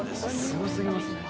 すご過ぎますね。